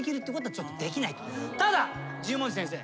ただ十文字先生